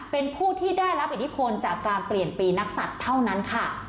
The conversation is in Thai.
เป็นผู้ที่ได้รับอิทธิพลจากการเปลี่ยนปีนักศัตริย์เท่านั้นค่ะ